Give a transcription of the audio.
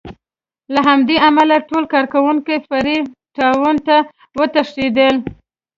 له همدې امله ټول کارکوونکي فري ټاون ته وتښتېدل.